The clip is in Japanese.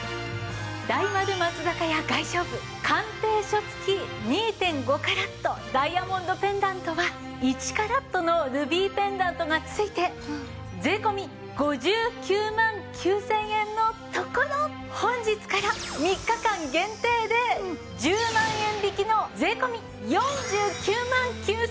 大丸松坂屋外商部鑑定書付き２．５カラットダイヤモンドペンダントは１カラットのルビーペンダントが付いて税込５９万９０００円のところ本日から３日間限定で１０万円引きの税込４９万９０００円です。